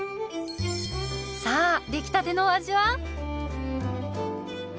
さあ出来たてのお味は？